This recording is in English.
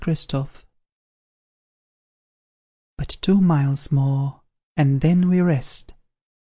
THE WOOD. But two miles more, and then we rest!